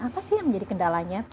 apa sih yang menjadi kendalanya